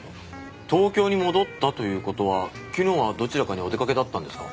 東京に戻ったという事は昨日はどちらかにお出かけだったんですか？